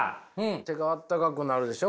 手があったかくなるでしょ